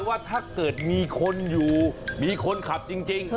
ว่าถ้าเกิดมีคนอยู่มีคนขับจริง